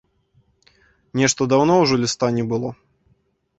Нешта даўно ўжо ліста не было.